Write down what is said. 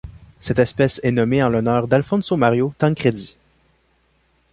Cette espèce est nommée en l'honneur d'Alfonso Mario Tancredi.